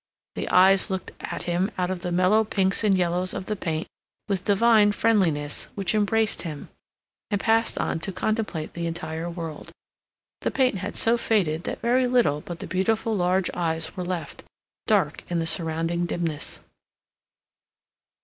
The eyes looked at him out of the mellow pinks and yellows of the paint with divine friendliness, which embraced him, and passed on to contemplate the entire world. The paint had so faded that very little but the beautiful large eyes were left, dark in the surrounding dimness.